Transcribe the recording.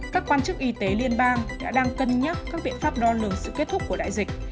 các quan chức y tế liên bang đã đang cân nhắc các biện pháp đo lường sự kết thúc của đại dịch